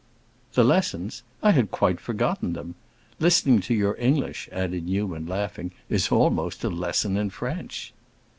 "The lessons? I had quite forgotten them. Listening to your English," added Newman, laughing, "is almost a lesson in French."